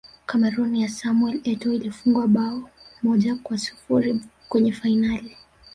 cameroon ya samuel etoo ilifungwa bao moja kwa sifuri kwenye fainali